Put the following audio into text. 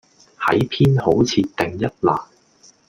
喺偏好設定一欄